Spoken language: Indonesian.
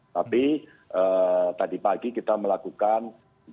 tapi tadi pagi kita melakukan gelar pasok